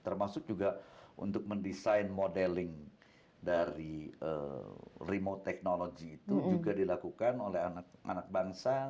termasuk juga untuk mendesain modeling dari remote technology itu juga dilakukan oleh anak bangsa